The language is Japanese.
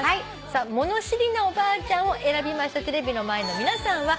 さあ「物知りなおばあちゃん」を選びましたテレビの前の皆さんは。